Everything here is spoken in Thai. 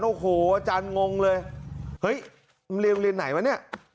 โอ้โหอาจารย์งงเลยเฮ้ยมันเรียนไหนวะเนี่ย